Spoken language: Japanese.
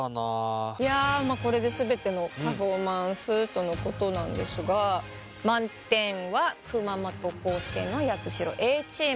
いやこれで全てのパフォーマンスとのことなんですが満点は熊本高専の八代Ａチーム。